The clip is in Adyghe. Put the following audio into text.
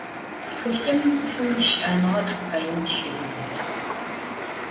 Тхылъым цӏыфым ищыӏэныгъэ чӏыпӏэ ин щеубыты.